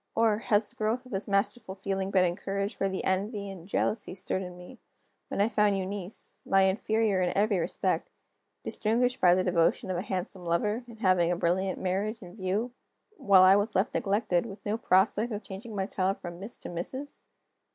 Or, has the growth of this masterful feeling been encouraged by the envy and jealousy stirred in me, when I found Eunice (my inferior in every respect) distinguished by the devotion of a handsome lover, and having a brilliant marriage in view while I was left neglected, with no prospect of changing my title from Miss to Mrs.?